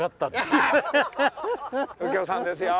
右京さんですよ。